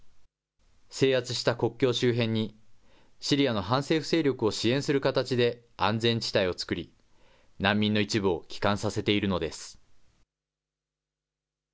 制圧した国境周辺に、シリアの反政府勢力を支援する形で安全地帯を作り、難民の一部を帰還させているのです。